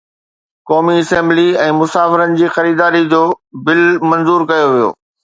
قومي اسيمبلي ۾ مسافرن جي خريداري جو بل منظور ڪيو ويو